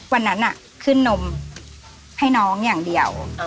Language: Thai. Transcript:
วันนั้นขึ้นนมให้น้องอย่างเดียว